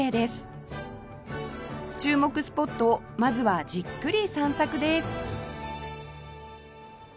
注目スポットをまずはじっくり散策です